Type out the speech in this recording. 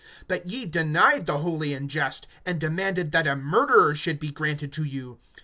(14)But ye denied the Holy and Just, and demanded that a murderer should be granted to you.